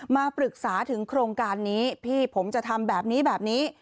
มาปรึกษาถึงโครงการนี้พี่ผมจะทำแบบนี้แบบนี้